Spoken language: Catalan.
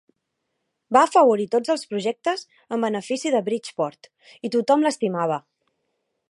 Va afavorir tots els projectes en benefici de Bridgeport, i tothom l'estimava.